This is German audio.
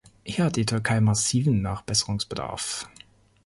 Hier hat die Türkei massiven Nachbesserungsbedarf.